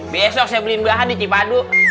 besok saya beli bahan di cipadu